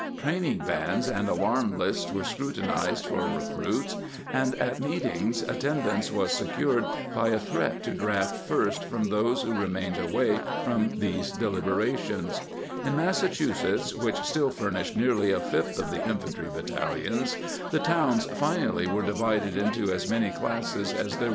Training bands and alarm lists were scrutinized for recruits, and at meetings attendance was se cured by a threat to draft first from those who re mained away from these deliberations.^ In Mas sachusetts, which still furnished nearly a fifth of the infantry battalions, the towns finally were divided into as many classes as there were men to 'Washington's Writings (Ford), vol.